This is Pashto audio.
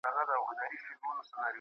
کارکوونکو نور پاتې کتابونه هم وڅېړل.